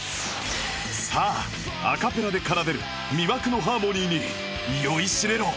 さあアカペラで奏でる魅惑のハーモニーに酔いしれろ！